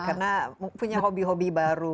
karena punya hobi hobi baru